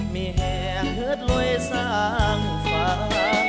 มีแห่งหืดลุยสังฝัง